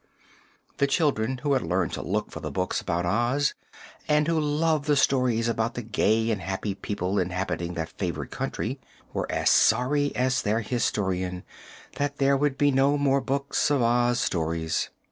The children who had learned to look for the books about Oz and who loved the stories about the gay and happy people inhabiting that favored country, were as sorry as their Historian that there would be no more books of Oz stories.